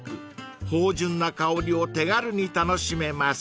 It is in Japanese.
［芳醇な香りを手軽に楽しめます］